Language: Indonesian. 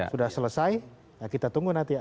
sudah selesai kita tunggu nanti